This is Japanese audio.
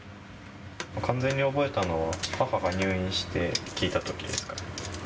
完全に覚えたのは母が入院して、聞いたときですかね。